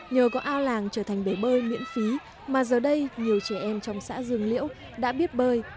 nhờ có ao làng trở thành bể bơi miễn phí mà giờ đây nhiều trẻ em trong xã dương liễu đã biết bơi